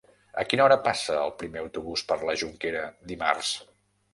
A quina hora passa el primer autobús per la Jonquera dimarts?